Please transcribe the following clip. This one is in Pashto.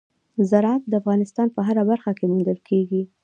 زراعت د افغانستان په هره برخه کې موندل کېږي.